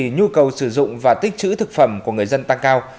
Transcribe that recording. nhu cầu sử dụng và tích chữ thực phẩm của người dân tăng cao